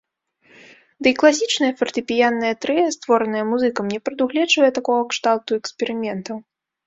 Ды і класічнае фартэпіяннае трыа, створанае музыкам, не прадугледжвае такога кшталту эксперыментаў.